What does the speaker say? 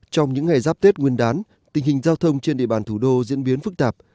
trong những ngày giáp tết nguyên đán tình hình giao thông trên địa bàn thủ đô diễn biến phức tạp